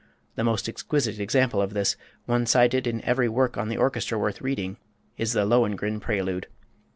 The most exquisite example of this, one cited in every work on the orchestra worth reading, is the "Lohengrin" prelude.